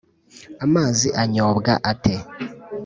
amazi anyobwa ate